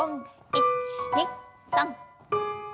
１２３。